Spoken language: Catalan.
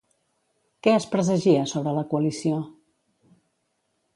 Què es presagia sobre la coalició?